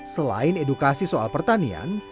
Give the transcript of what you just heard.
selain edukasi soal pertanian